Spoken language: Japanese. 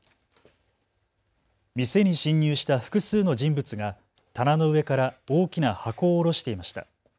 店に侵入した複数の人物が棚の上から大きな箱を下ろしていました。